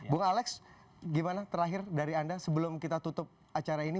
bung alex gimana terakhir dari anda sebelum kita tutup acara ini